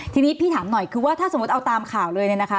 ทีนี้พี่ถามหน่อยคือถ้าเอาตามข่าวเลยเลยนะคะ